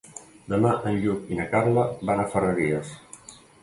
Demà en Lluc i na Carla van a Ferreries.